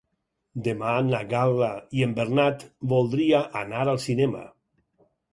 Demà na Gal·la i en Bernat voldria anar al cinema.